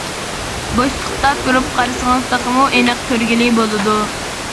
بوشلۇقتا تۇرۇپ قارىسىڭىز تېخىمۇ ئېنىق كۆرگىلى بولىدۇ.